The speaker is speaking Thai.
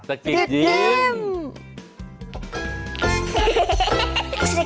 สะกิดยิ้ม